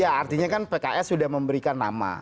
ya artinya kan pks sudah memberikan nama